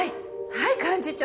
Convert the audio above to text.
はい幹事長。